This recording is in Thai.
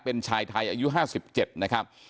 เป็นชายไทยอายุ๕๗นะครับ